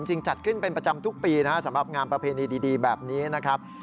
จัดขึ้นเป็นประจำทุกปีนะครับสำหรับงานประเพณีดีแบบนี้นะครับ